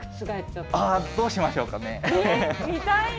どうしましょうかね。